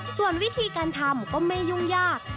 ส่วนวิธีการทำก็ไม่ยุ่งยาก